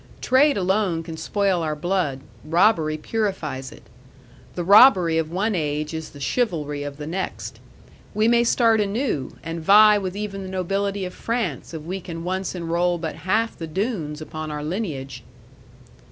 Trade alone can spoil our blood; robbery purifies it. The robbery of one age is the chivalry of the next. We may start anew, and vie with even the nobility of France, if we can once enrol but half the Doones upon our lineage."